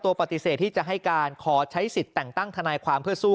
ปฏิเสธที่จะให้การขอใช้สิทธิ์แต่งตั้งทนายความเพื่อสู้